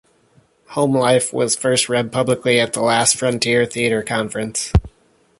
"Homelife" was first read publicly at the Last Frontier Theatre Conference.